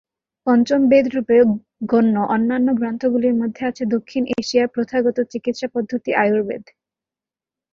পঞ্চম বেদ রূপে গণ্য অন্যান্য গ্রন্থগুলির মধ্যে আছে দক্ষিণ এশিয়ার প্রথাগত চিকিৎসা পদ্ধতি আয়ুর্বেদ।